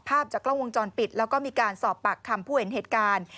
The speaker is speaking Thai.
ภาพจากกล้องวงจรปิดแล้วก็มีการสอบปากคำผู้เห็นเหตุการณ์